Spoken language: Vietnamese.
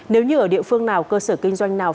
nếu như ở địa phương nào cơ sở kinh doanh nào